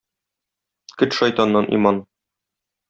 Көт шайтаннан иман!